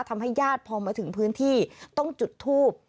ทำให้ญาติพอมาถึงพื้นที่ต้องจุดทูบ